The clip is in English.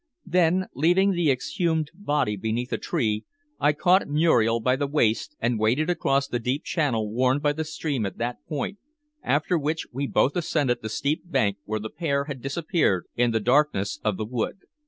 Then, leaving the exhumed body beneath a tree, I caught Muriel by the waist and waded across the deep channel worn by the stream at that point, after which we both ascended the steep bank where the pair had disappeared in the darkness of the wood.